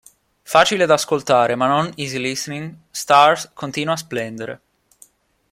Facile da ascoltare ma non easy listening, "Stars" continua a splendere.